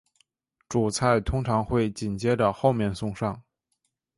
主菜通常会紧接着后面送上。